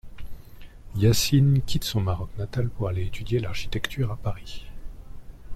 Yacine quitte son Maroc natal pour aller étudier l'architecture à Paris.